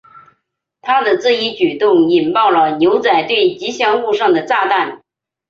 他的这一举动引爆了牛仔队吉祥物上的炸弹。